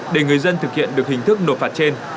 để người dân thực hiện được hình thức nộp phạt trên